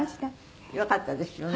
よかったですよね。